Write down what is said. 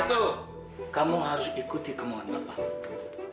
restu kamu harus ikuti kemohon bapak